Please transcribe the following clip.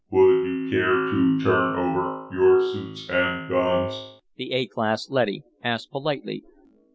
"Would you care to turn over your suits and guns?" the A class leady asked politely.